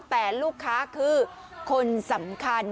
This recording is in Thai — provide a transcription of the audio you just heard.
แต่ลูกค้าคือคนสำคัญ